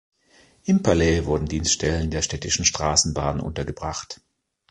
Im Palais wurden Dienststellen der Städtischen Straßenbahnen untergebracht.